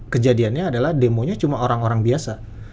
kejadiannya adalah demonya cuma orang orang biasa